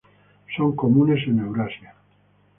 Son comunes en Eurasia